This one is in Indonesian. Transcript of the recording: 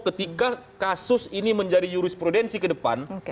ketika kasus ini menjadi jurisprudensi kedepan